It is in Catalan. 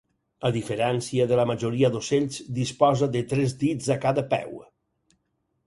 A diferència de la majoria d'ocells, disposa de tres dits a cada peu.